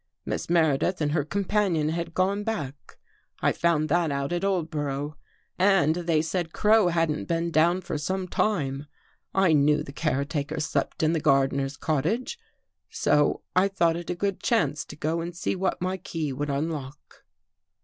Miss Mere dith and her companion had gone back. I found that out at Oldborough. And they said Crow hadn't been down for some time. I knew the care taker slept in the gardener's cottage, so I thought it a good chance to go and see what my key would unlock."